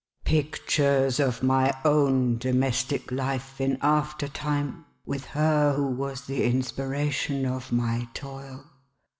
"—Pictures of my own domestic life, in after time, with her who was the inspiration of my toil.